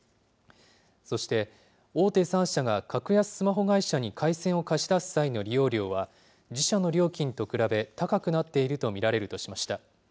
そして、大手３社が格安スマホ会社に回線を貸し出す際の利用料は、自社の料金と比べ高くなっていると見られるとしました。